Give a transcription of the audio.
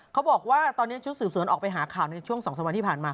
เขาบอกว่าตอนนี้ชุดสืบสวนออกไปหาข่าวในช่วง๒๓วันที่ผ่านมา